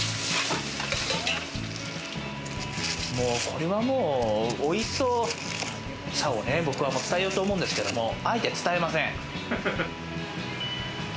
これはもう、おいしそうさを伝えようと思うんですけれども、あえて伝えません。